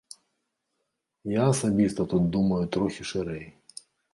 Я асабіста тут думаю трохі шырэй.